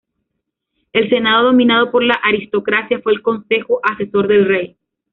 El Senado, dominado por la aristocracia, fue el consejo asesor del rey.